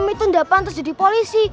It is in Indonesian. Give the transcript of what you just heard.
om itu tidak pantas jadi polisi